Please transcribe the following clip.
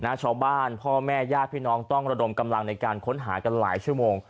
ชาวบ้านพ่อแม่ญาติพี่น้องต้องระดมกำลังในการค้นหากันหลายชั่วโมง